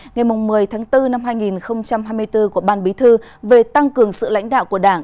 ngày một mươi tháng bốn năm hai nghìn hai mươi bốn của ban bí thư về tăng cường sự lãnh đạo của đảng